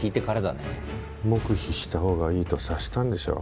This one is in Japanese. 黙秘したほうがいいと察したんでしょう。